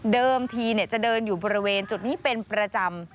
ทีจะเดินอยู่บริเวณจุดนี้เป็นประจำ